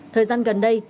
thời gian gần đây